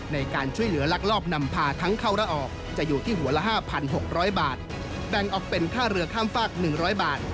แปลงออกเป็นค่าเรือข้ามฝาก๑๐๐บาท